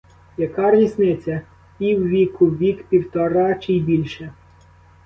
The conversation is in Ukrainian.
Яка різниця: піввіку, вік, півтора чи й більше?